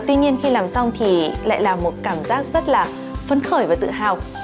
tuy nhiên khi làm xong thì lại là một cảm giác rất là phấn khởi và tự hào